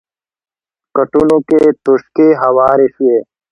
کټونو کې توشکې هوارې شوې.